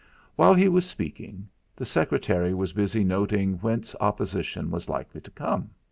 While he was speaking the secretary was busy noting whence opposition was likely to come.